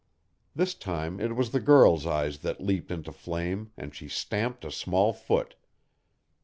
This time it was the girl's eyes that leaped into flame and she stamped a small foot.